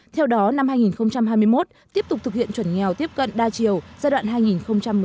theo đó năm hai nghìn hai mươi một tiếp tục thực hiện chuẩn nghèo tiếp cận đa chiều giai đoạn hai nghìn một mươi sáu hai nghìn hai mươi